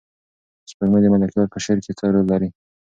سپوږمۍ د ملکیار په شعر کې څه رول لري؟